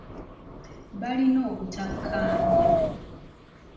Baalina obutakkaanya.